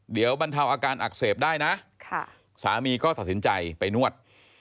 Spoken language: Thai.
เดี๋ยวบรรเทาอาการอักเสบได้นะสามีก็ตัดสินใจไปนวด